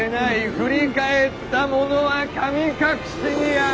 振り返った者は『神隠し』にあう」。